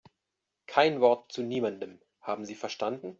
Kein Wort zu niemandem, haben Sie verstanden?